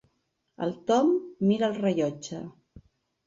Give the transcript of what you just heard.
El Tom mira el rellotge.